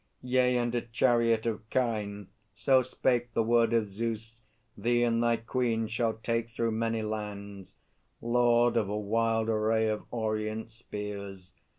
Yea, and a chariot of kine so spake The word of Zeus thee and thy Queen shall take Through many lands, Lord of a wild array Of orient spears.